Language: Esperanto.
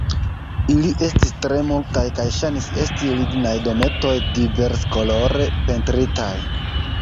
Ili estis tre multaj kaj ŝajnis esti lignaj dometoj diverskolore pentritaj.